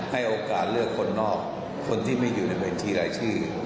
ให้โอกาสเลือกคนนอกคนที่ไม่อยู่ในบัญชีรายชื่อ